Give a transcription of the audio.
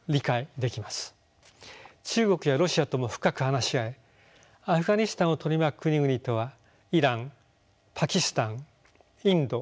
中国やロシアとも深く話し合えアフガニスタンを取り巻く国々とはイランパキスタンインド